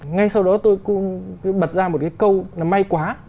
ngay sau đó tôi cũng bật ra một cái câu là may quá